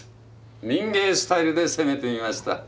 民藝スタイルで攻めてみました。